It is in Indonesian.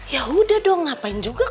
yaudah dong ngapain juga